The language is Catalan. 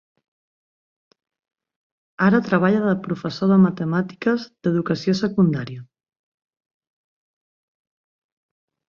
Ara treballa de professor de matemàtiques d'educació secundària.